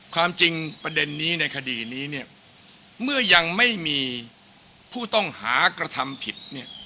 ความจริงประเด็นนี้ในคดีนี้เนี่ยเมื่อยังไม่มีผู้ต้องหากระทำผิดเนี่ย